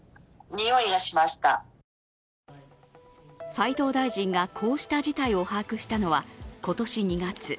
斎藤大臣がこうした事態を把握したのは今年２月。